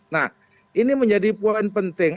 nah ini menjadi poin penting